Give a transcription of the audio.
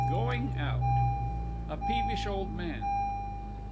GOING OUT. A PEEVISH OLD MAN.